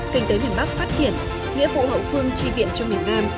kinh tế miền bắc phát triển nghĩa vụ hậu phương chi viện cho miền nam